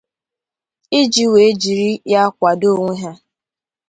iji wee jiri ya kwàdo onwe ha